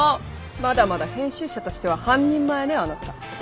まだまだ編集者としては半人前ねあなた。